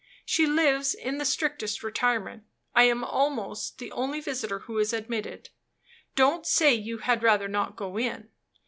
She lives in the strictest retirement; I am almost the only visitor who is admitted. Don't say you had rather not go in.